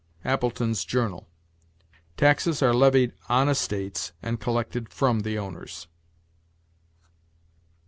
"Appletons' Journal." Taxes are levied on estates and collected from the owners.